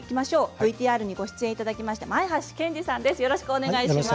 ＶＴＲご出演いただきました前橋健二さんです。